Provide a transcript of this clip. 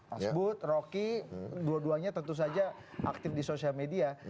mas bud rocky dua duanya tentu saja aktif di sosial media